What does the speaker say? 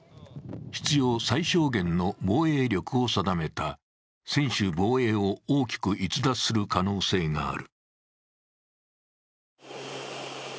必要最小限の防衛力を定めた専守防衛を大きく逸脱する可能性がある。